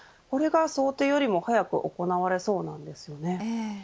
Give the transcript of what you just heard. これが想定よりも早く行われそうです。